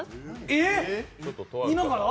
えっ、今から！？